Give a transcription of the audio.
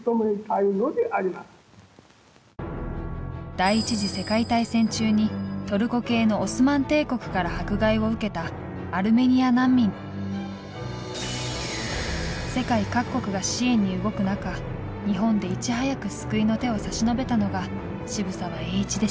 第一次世界大戦中にトルコ系のオスマン帝国から迫害を受けた世界各国が支援に動く中日本でいち早く救いの手を差し伸べたのが渋沢栄一でした。